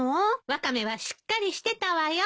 ワカメはしっかりしてたわよ。